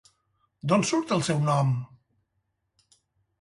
D'on surt el seu nom?